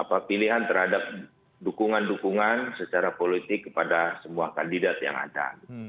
apa pilihan terhadap dukungan dukungan secara politik kepada semua kandidat yang ada